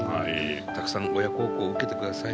たくさん親孝行、受けてください。